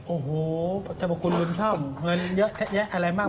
โอ้โหประจำบุคคลคุณชอบเงินเยอะแทะแยะอะไรบ้าง